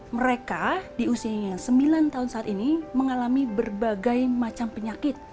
mereka di usianya sembilan tahun saat ini mengalami berbagai macam penyakit